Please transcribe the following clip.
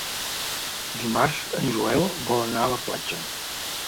Dimarts en Joel vol anar a la platja.